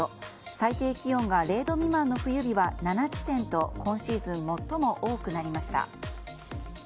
最低気温が０度未満の冬日は７地点と今シーズン最も多くなりました。